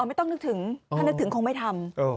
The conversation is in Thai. ไม่ต้องนึกถึงถ้านึกถึงคงไม่ทำ